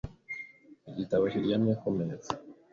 Igitabo kiryamye ku meza .